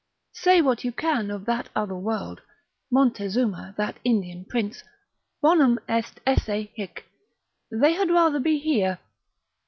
Say what you can of that other world, Montezuma that Indian prince, Bonum est esse hic, they had rather be here.